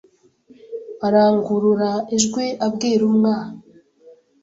arangurura ijwi abwira umwa